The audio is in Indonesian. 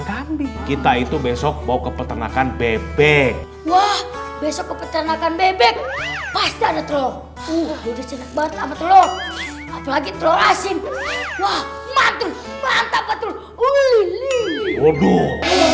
kami kita itu besok bawa ke peternakan bebek wah besok ke peternakan bebek pas ada telur